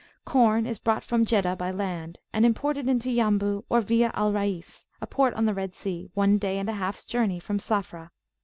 Corn is brought from Jeddah by land, and imported into Yambu or via Al Rais, a port on the Red Sea, one day and a halfs journey from Safra.